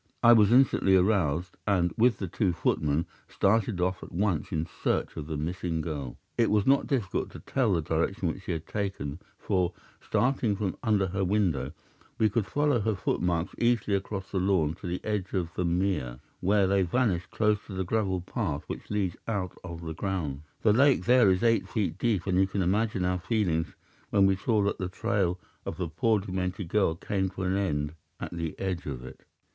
I was instantly aroused, and, with the two footmen, started off at once in search of the missing girl. It was not difficult to tell the direction which she had taken, for, starting from under her window, we could follow her footmarks easily across the lawn to the edge of the mere, where they vanished close to the gravel path which leads out of the grounds. The lake there is eight feet deep, and you can imagine our feelings when we saw that the trail of the poor demented girl came to an end at the edge of it.